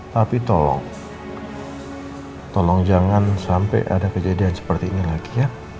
tapi tolong tolong jangan sampai ada kejadian seperti ini lagi ya